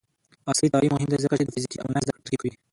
عصري تعلیم مهم دی ځکه چې د فزیکي او آنلاین زدکړې ترکیب کوي.